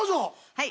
はい。